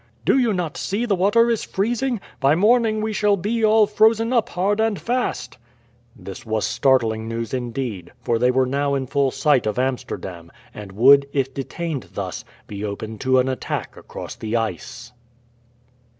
"Do you not see the water is freezing? By morning we shall be all frozen up hard and fast." This was startling news indeed, for they were now in full sight of Amsterdam, and would, if detained thus, be open to an attack across the ice.